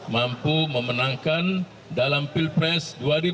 mampu memenangkan dalam pilpres dua ribu sembilan belas dua ribu dua puluh empat